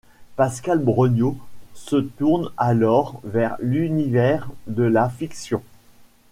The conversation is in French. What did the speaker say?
Pascale Breugnot se tourne alors vers l’univers de la fiction.